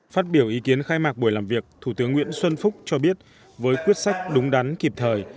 phát biểu ý kiến khai mạc buổi làm việc thủ tướng nguyễn xuân phúc cho biết với quyết sách đúng đắn kịp thời